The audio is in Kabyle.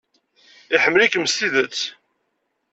Iḥemmel-ikem s tidet.